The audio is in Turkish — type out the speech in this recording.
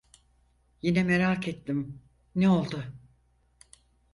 Yine merak ettim: "Ne oldu?"